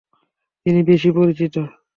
তিনি বেশি পরিচিত।